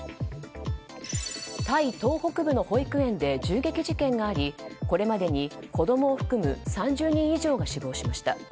タイ東北部の保育園で銃撃事件がありこれまでに子供を含む３０人以上が死亡しました。